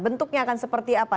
bentuknya akan seperti apa